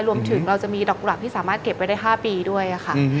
รวมถึงเราจะมีดอกกุหลาบที่สามารถเก็บไว้ได้๕ปีด้วยค่ะ